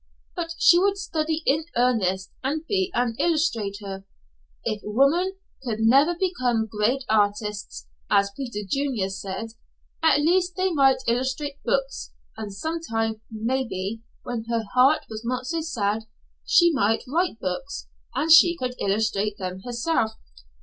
But she would study in earnest and be an illustrator. If women could never become great artists, as Peter Junior said, at least they might illustrate books; and sometime maybe when her heart was not so sad, she might write books, and she could illustrate them herself.